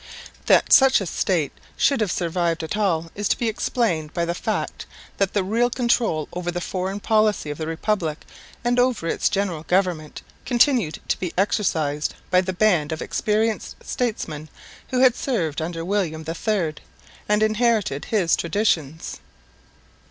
That such a State should have survived at all is to be explained by the fact that the real control over the foreign policy of the Republic and over its general government continued to be exercised by the band of experienced statesmen who had served under William III and inherited his traditions.